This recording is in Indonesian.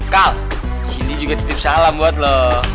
kal cindy juga titip salam buat lo